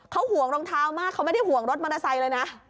เขาห่วงรองเท้ามากเขาไม่ได้ห่วงรถมอเตอร์ไซค์เลยนะ